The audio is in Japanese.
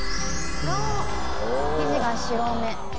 生地が白め。